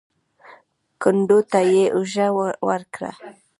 کندو ته يې اوږه ورکړه.